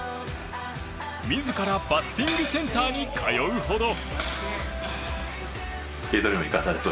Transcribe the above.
自らバッティングセンターに通うほど。